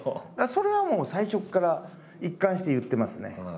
それはもう最初から一貫して言ってますね。